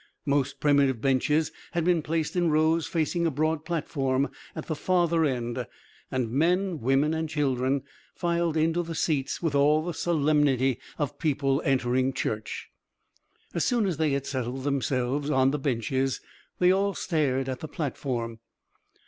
Most primitive benches had been placed in rows facing a broad platform at the farther end, and men, women and children filed into the seats with all the solemnity of people entering church. As soon as they had settled themselves on the benches they all stared at the platform.